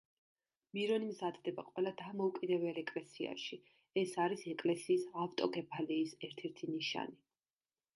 მირონი მზადდება ყველა დამოუკიდებელ ეკლესიაში, ეს არის ეკლესიის ავტოკეფალიის ერთ-ერთი ნიშანი.